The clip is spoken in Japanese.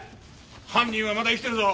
犯人はまだ生きてるぞ！